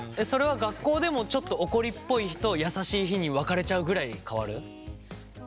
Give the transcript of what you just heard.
それは学校でもちょっと怒りっぽい日と優しい日に分かれちゃうぐらい変わる？